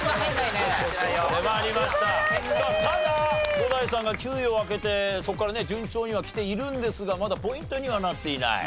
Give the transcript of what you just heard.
さあただ伍代さんが９位を開けてそこからね順調にはきているんですがまだポイントにはなっていない。